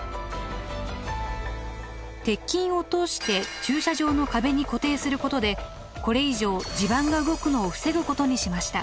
鉄筋を通して駐車場の壁に固定することでこれ以上地盤が動くのを防ぐことにしました。